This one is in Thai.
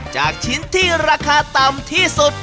จากชิ้นที่ราคาต่ำที่สุด